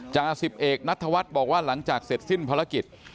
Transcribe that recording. จ่าสิบเอกนัทธวัฒน์บอกว่าหลังจากเสร็จสิ้นภารกิจ